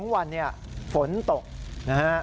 ๒วันเนี่ยฝนตกนะฮะ